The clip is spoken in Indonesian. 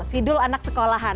sidul anak sekolahan